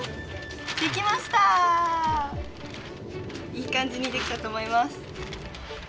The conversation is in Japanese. いい感じにできたと思います。